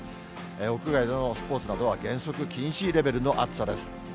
屋外でのスポーツなどは原則禁止レベルの暑さです。